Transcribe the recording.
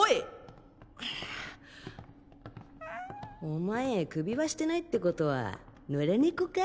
お前首輪してないってことはノラ猫か？